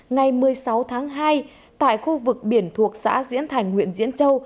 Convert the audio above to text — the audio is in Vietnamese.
ngày một mươi sáu tháng hai tại khu vực biển thuộc xã diễn thành huyện diễn châu